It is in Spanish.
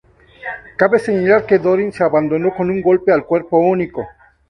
Cabe señalar que Dorin se abandonó con un golpe al cuerpo único.